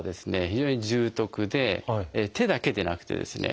非常に重篤で手だけでなくてですね